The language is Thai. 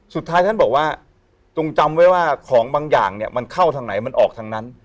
สุดท้ายท่านบอกว่าจงจำไว้ว่าของบางอย่างเนี่ยมันเข้าทางไหนมันออกทางนั้น